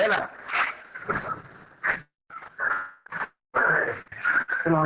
โรคเร็ว